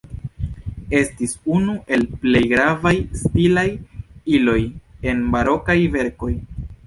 Estis unu el plej gravaj stilaj iloj en barokaj verkoj.